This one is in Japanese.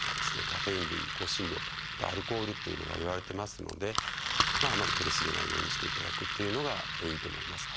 カフェイン類香辛料アルコールというのがいわれてますのであまりとり過ぎないようにしていただくというのがいいと思います。